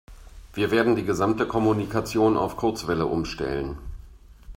Wir werden die gesamte Kommunikation auf Kurzwelle umstellen.